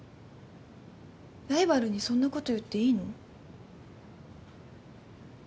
ライバルにそんなこと言っていいの？